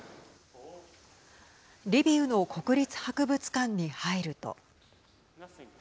リビウの国立博物館に入ると。